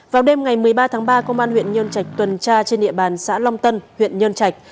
vào đêm ngày một mươi ba tháng ba công an huyện nhân trạch tuần tra trên địa bàn xã long tân huyện nhân trạch